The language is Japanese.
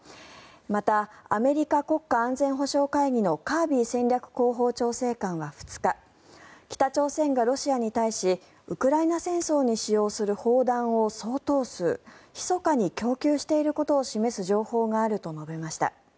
またアメリカ国家安全保障会議のカービー戦略広報調整官は２日北朝鮮がロシアに対しウクライナ戦争に使用する砲弾を相当数ひそかに供給していることを示す情報があると述べました。